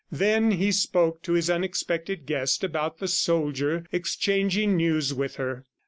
Then he spoke to his unexpected guest about the soldier, exchanging news with her.